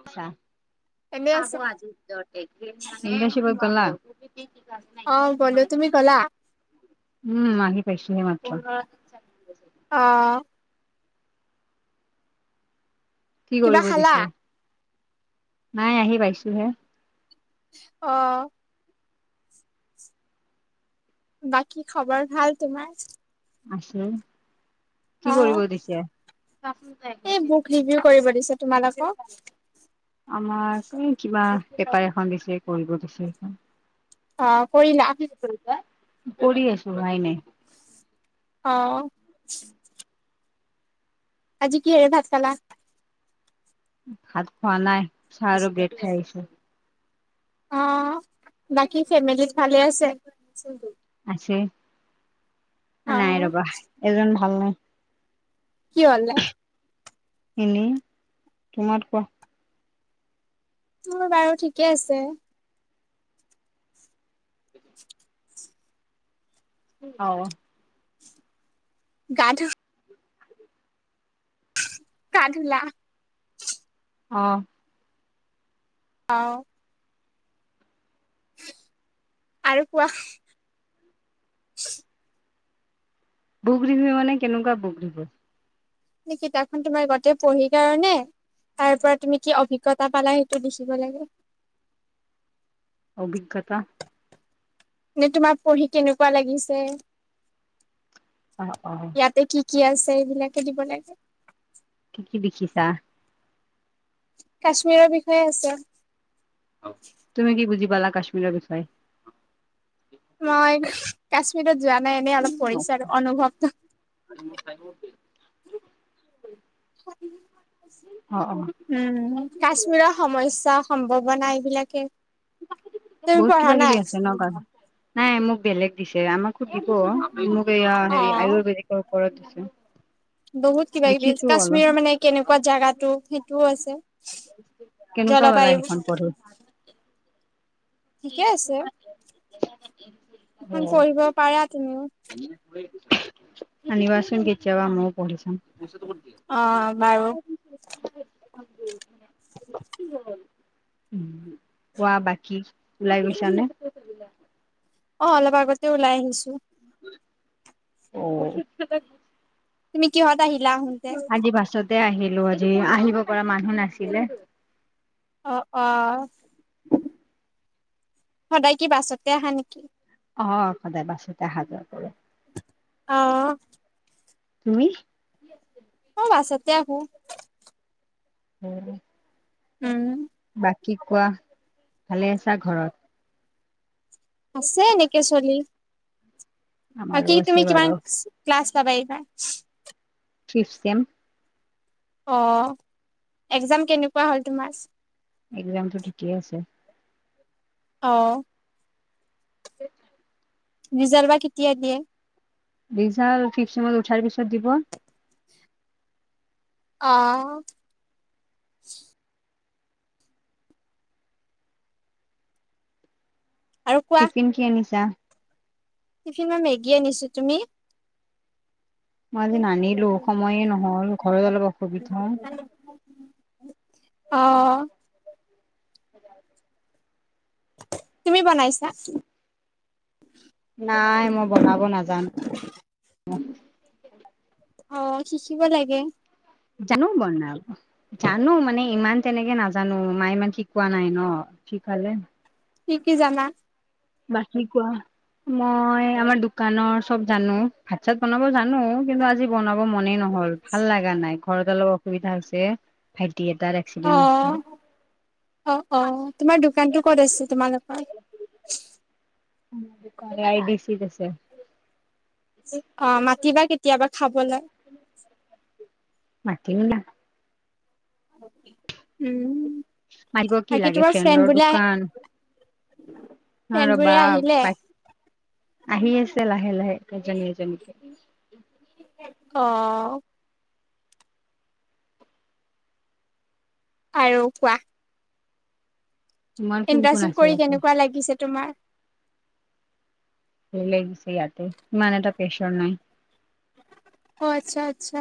আচ্ছা এনে আছা? ইণ্টাৰ্নশ্বিপত গ'লা? অ', গলো তুমি গলা? উম, আহি পাইছোহে মাত্ৰ। অ', কি কিবা কৰিব খালা? দিছে, নাই আহি পাইছোহে অ', বাকী খবৰ ভাল তোমাৰ? আছোঁ, অ কি কৰিব দিছে? [inaudible] এই বুক ৰিভিউ কৰিব দিছে তোমালোকক? আমাক এই কিবা পেপাৰ এখন দিছে কৰিব দিছে সেইখন। অ', কৰিলা? কৰি আছো হোৱাই নাই। অ', [inaudible] আজি কি হেৰে ভাত খালা? ভাত খোৱা নাই, চাহ আৰু ব্ৰেড খাই আহিছো। অ বাকী ফেমিলিত ভালে আছে? আছে, এ অ নাই ৰ'বা, এজন ভাল নাই। কি হ'লে? এনেই, তোমাৰ কোৱা? মোৰ বাৰু ঠিকে আছে। [inaudible] অ'। গা ধু গা ধূলা? অ'। অঁ'। আৰু কোৱা? বুক ৰিবি মানে কেনেকুৱা বুক [unintelligible] সেই কিতাপখন তোমাৰ গোতটেই পঢ়ি কাৰণে। তাৰ পৰা তুমি কি অভিজ্ঞতা পালা সেইটো লিখিব লাগে। অভিজ্ঞতা। নে তোমাৰ পঢ়ি কেনেকুৱা লাগিছে। অ', অ'। ইয়াতে কি কি আছে এইবিলাকে দিব লাগে। কি কি লিখিছা? কাশ্মীৰৰ বিষয়ে আছে। তুমি কি বুজি পালা কাশ্মীৰৰ বিষয়ে? মই, কাশ্মীৰত যোৱা নাই এনেই অলপ পঢ়িচো আৰু অনুভৱটো। [unintelligible] [unintelligible] অ', অ', উম, কাশ্মীৰৰ সমস্যা সম্ভাৱনা এইবিলাকে। তুমি বহুত পঢ়া কিবা-কিবি নাই আছে ন কা, নাই মোক বেলেগ দিছে আমাক দিব মোক এয়া অ হেৰি আয়ুৰ্বেদিকৰওপৰত আছে। বহুত কিবা-কিবি কাশ্মীৰৰ মানে কেনেকুৱা জাগাটো সেইটোও আছে। কেনেকুৱা পালা জলবায়ু সেইখন পঢ়ি? ঠিকে [unintelligible] সেইখন পঢ়িব পাৰা তুমিও। [unintelligible] আনিবাচোন কেতিয়াবা মইও পঢ়ি চাম। [unintelligible] অ বাৰু [unintelligible] কোৱা বাকী ওলাই গৈছা নে? অ', অলপ আগতে ওলাই আহিছোঁ। অ'। তুমি কিহ'ত আহিলা আহুনতে? আজি বাছতে আহিলো আজি আহিব পৰা মানুহ নাছিলে। অ', অ'। সদায় কি বাছতে আহা নেকি? অঁ', সদায় বাছতে অহা যোৱা কৰোঁ। অ'। তুমি? মইও বাছতে আহোঁ। উম। উম। বাকী কোৱা, ভালে আছা ঘৰত? আছে এনেকে চলি। আমাৰো বাকি আছে তুমি কিমান বাৰু ক্লাছ পাবা এইবাৰ? Fifth sem. অ', এক্জাম কেনেকুৱা হ'ল তোমাৰ? এক্জামটো ঠিকে আছে। অ' [inaudible] ৰিজাল্ট বা কেতিয়া দিয়ে। ৰিজাল্ট ফিফ্ট ছেমত উঠাৰ পিছত দিব অ' আৰু কোৱা টিফিন কি আনিছা? টিফিন মই মেগী আনিছোঁ, তুমি? মই আজি নানিলোঁ, সময়েই নহ'ল, ঘৰত অলপ অসুবিধা। অ' তুমি বনাইছা? নাই, মই বনাব নাজান [inaudible] [inaudible] অ', শিকিব লাগে জানো বনাব, জানো মানে ইমান তেনেকে নাজ জানো, মায়ে ইমান শিকোৱা নাই ন, শিকালে কি কি জানা? বাকী কোৱা, মই আমাৰ দোকানৰ চব জানো ভাত-চাত বনাব জানো, কিন্তু আজি বনাব মনেই নহ'ল, ভাল লগা নাই, ঘৰত অলপ অসুবিধা হৈছে, ভাইটি এটাৰ অ এক্সিডেণ্ট হৈছে। অ' অ', তোমাৰ দোকানতটো ক'ত আছে, তোমালোকৰ? [unintelligible] দোকান আই ডি চিত আছে। অ', মাতিবা কেতিয়াবা খাবলৈ। মতিম [unintelligible] উম মৰি ক কি বাকী লাগে তোমাৰ ফ্ৰেণ্ড ৰৰ বোলে দোকান। অ ফ্ৰেণ্ড বোৰে ৰ'বা আহিলে পাই। আহি আছে লাহে লাহে তজনান এজনকে। অ। আৰু খোৱা। তোমাৰ কোন কোন ইণ্টাৰশিপ আছে কৰি ইয়াতে কেনেকুৱা লাগিছে তোমাৰ। লেডিছে ইয়াতে ইমান এটা পেচৰ নাই। অ আচ্ছা আচ্ছা।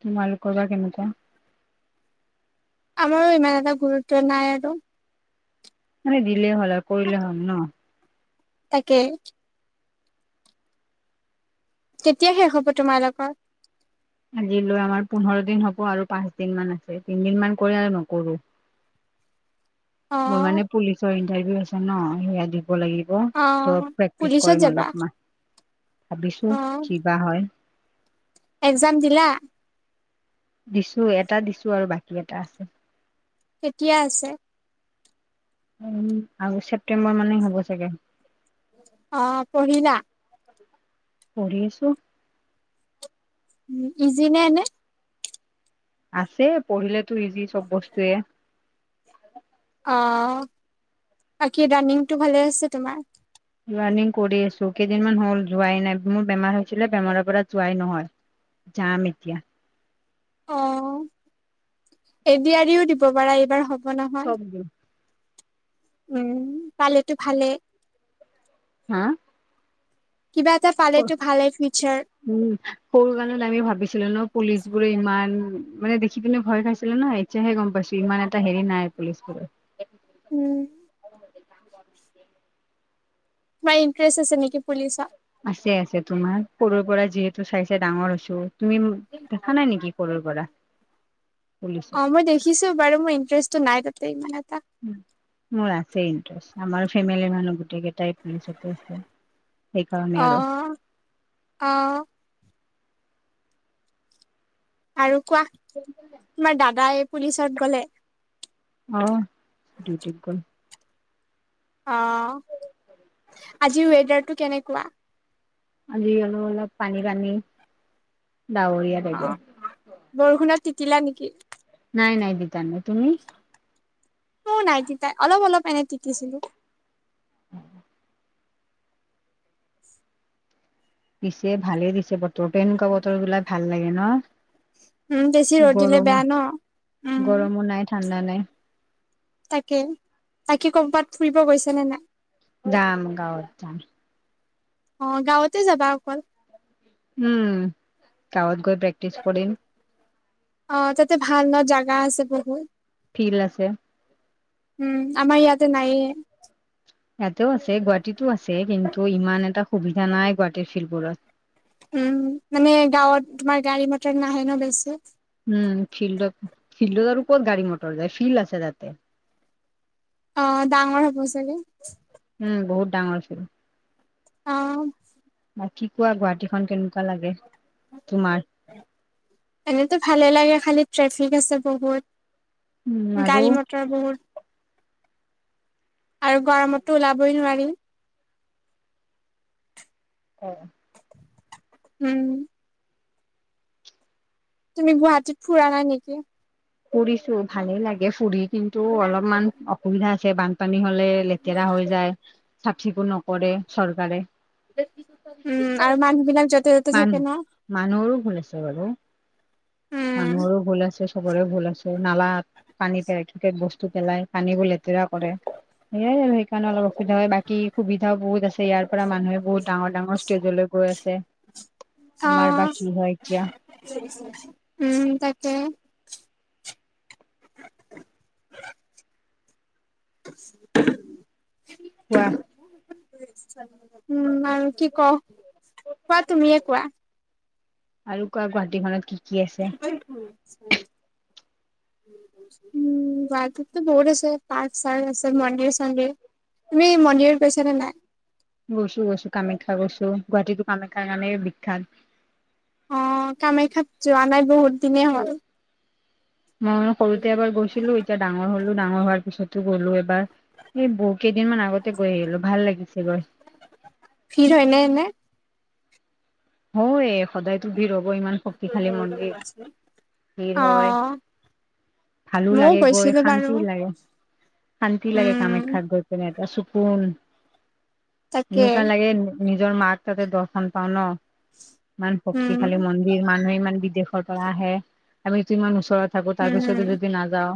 তোমালোকজা কে মতে। আমাৰো ইমান এটা গুৰুত্ব নাই আৰু। মানে দিলেই হ'ল আৰু কৰিলে হ'ল ন। তাকে। কেতিয়া শেষ হ'ব তোমাৰ লগোকৰ। আজিলৈ আমাৰ পোন্ধৰ দিন হব আৰু পাঁচ দিন মান আছে তিনদিন মান কৰি আৰু নকৰো। অ মোৰ মানে পুলিচৰ ইটাৰভিউ আছে ন সেয়া। লাগ অ ত প্ৰেক্টিচ পুলিচত কৰিম যাবা? অলপমান অ ভাবিছো কিবা হয়। এক্জাম দিলা। দিছো এটা দিছো আৰু বাকী এটা আছে। কেতিয়া আছে। আগষ্ট ছেপ্টেম্বৰ মানেই হ'ব চাগৈ। অ পঢ়িলা। পঢ়ি আছো। উম ইজি নে এনে। আছে পঢ়িলেতো ইজি চব বস্তুৱয়ে। অ বাকী ৰাণিংটো ভালে আছে তোমাৰ। ৰানিং কৰি আছোঁ কেইদিনমান হ'ল যোৱাই নাই। মোৰ বেমাৰ হৈছিলে বেমাৰৰ পৰা যোৱাই নহয় যাম এতিয়া। অ', এডি আৰিও দিব পাৰা এইবাৰ হ'ব নহয়। চব। উম পালেতো ভালে। হা কিবা এটা পালেটো ভালেই ফিউচাৰ। উম সৰু গালত আমি ভাবিছিলোঁ ন পুলিচ বোৰে ইমান মানে দেখি পিনে ভয় খাইছিলোঁ ন। হে গ'ম পাইছোঁ ইমান এটা হেৰি নাই পুলিচ বোৰৰ। উম। তোমাৰ ইণ্টাৰেষ্ট আছে নেকি পুলিচত। আছে আছে তোমাৰ সৰুৰ পৰা যিহেতু চাই চাই ডাঙৰ হৈছোঁ তুমি দেখা নাই নেকি কৰৰ পৰা পুলিচত অ', মই দেখিছোঁ বাৰু মোৰ ইণ্টাৰেষ্টটো নাই তাতেই ইমান এটা মোৰ আছে ইণ্টাৰেষ্ট আমাৰ ফেমিলি মানুহ গোটেই কেইটা ট্ৰাই আ সেইকাৰণে অ আৰু অ'। আৰু কোৱা তোমাৰ দাদাই পুলিচত গ'লে অহ [unintelligible] অ', আজি ৱেডাৰটো কেনেকুৱা? আজি অলপ, অলপ পানী পানী ডাৱৰীয়া। টাইপৰ অ', বৰষুণত তিতিলা নেকি। নাই নাই তিতা তুমি? মো নাই তাই অলপ, অলপ এনে তিতিছিলোঁ। উম। পিছে ভালে দিছে বতৰটো এনেকুৱা বতৰতো এনেকুৱা বতৰ বিলাক ভাল লাগে ন। উম, বেছি ৰদিলে বেয়া গৰমত ন। উম গৰমো নাই ঠাণ্ডা নাই। তাকে তাকে ক'বাত ফুৰিব গৈছে নে নাই? যাম গাঁৱত যাম। অ', গাঁৱতে যাবা অকল। উম, কাৱত গৈ প্ৰেক্টিছ কৰিম। অ', তাতে ভাল ন জাগা আছে বহুত। ফিল আছে। উম, আমাৰ ইয়াতে নাই। ইয়াতেও আছে গুৱাহাটীতো আছে কিন্তু ইমান এটা সুবিধা নাই গুৱাহাটীৰ ফিল্ডবোৰত। উম মানে গাঁৱত তোমাৰ গাড়ী মটৰ নাহে ন বেছি। উম ফিল্ডত, ফিল্ডত আৰু কত গাড়ী মটৰ যায় ফিল্ড আছে তাতে। অ', ডাঙৰ হ'ব চাগে। উম বহুত ডাঙৰ ফিল্ড। অ'। বাকি কোৱা গুৱাহাটীখন কেনেকুৱা লাগে তোমাৰ? এনেতো ভালে লাগে খালি ট্ৰেফিক আছে বহুত উম আৰু গাড়ী মটৰ বহুত। আৰু গৰমতো ওলাবই নোৱাৰি। অ'। উম। তুমি গুৱাহাটীত ফুৰা নাই নেকি। ফুৰিছোঁ ভালেই লাগে ফুৰি কিন্তু অলপমান অসুবিধা আছে বানপানী হলে লেতেৰা হৈ যায় চাফ চিকুন নকৰে চৰকাৰে। উম আৰু মানুহ বিলাক য'তে ত'তে থাকে মানুহ ন। মানুহৰো ভুল আছে বাৰু। উম মানুহৰো ভুল আছে চবৰে ভুল আছে নালাত পানী পেলাই থকে বস্তু পেলাই পানী বোৰ লেতেৰা কৰে সেয়াই আৰু সেইকাৰণে অলপ অসুবিধা হয়, বাকী সুবিধাও বহুত আছে ইয়াৰ পৰা মানুহে বহুত ডাঙৰ ডাঙৰ ষ্টেজলৈ গৈ আছে, অ আমাৰ বাকী হয়, এতিয়া। উম, তাকে। কোৱা? উম, আৰু কি কম, কোৱা তুমিয়ে কোৱা? আৰু কোৱা গুৱাহাটীখনত কি কি আছে? [unintelligible] উম, গুৱাহাটীতটো বহুত আছে, পাৰ্ক চাৰ্ক আছে মন্দিৰ চণ্ডীৰ। তুমি মন্দিৰত গৈছা নে নাই? গৈছো গৈছো কামাখ্যা গৈছো, গুৱাহাটীতো কামাখ্যাৰ কাৰণে বিখ্যাত। অ', কামেখ্যাত যোৱা নাই বহুত দিনে হ'ল। মই সৰুতে এবাৰ গৈছিলো, এতিয়া ডাঙৰ হ'লো, ডাঙৰ হোৱাৰ পিছতো গ'লো এবাৰ। এই কেইদিন মান আগতে গৈ আহিলো, ভাল লাগিছে গৈ। ভিৰ হয়, নে এনে? হয়, সদায়তো ভিৰ হ'বই ইমান শক্তিশালী মন্দিৰ ভিৰ অ হয়। ভালো ময়ও লাগে গৈ, গৈছিলো বাৰু শান্তি লাগে শান্তি লাগে উম কামাখ্যাত গৈ। যেনে এটা চকুন তাকে এনেকুৱা লাগে নিজৰ মাক তাতে দৰ্শন পাও ন'। [inaudible] ইমান উম শক্তিশালী মন্দিৰ, মানুহে ইমান বিদেশৰ পৰা আহে আমি ইমান ওচৰত থাকো তাৰ পিছত উম, যদি নাযাওঁ।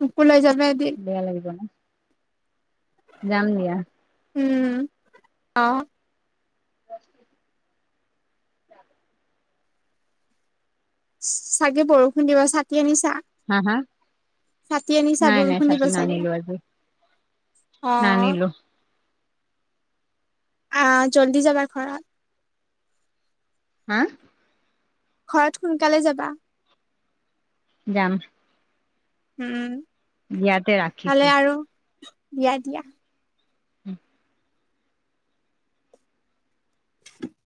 মোকো লৈ যাবা এদিন। বেয়া লাগিব ন'? যাম দিয়া। উম, অ'। চাগে বৰষুণ দিব ছাতি আনিছা? হা হা? ছাতি আনিছা নাই নাই বৰষুণ দিব ছাতি চাগে। নানিলো আজি অ'। নানিলো। আহ, জল্দি যাবা ঘৰত। হা? ঘৰত সোনকালে যাবা। যাম। উম, ইয়াতে ৰাখিছো ভালে আৰু দিয়া দিয়া। উম। [inaudible]